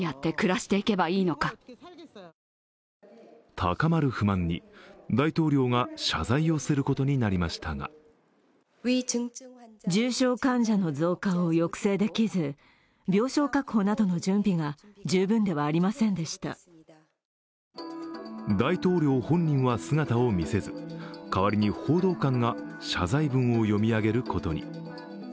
高まる不満に、大統領が謝罪をすることになりましたが大統領本人は姿を見せず代わりに報道官が謝罪文を読み上げることに。